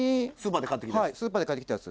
スーパーで買ってきたやつ？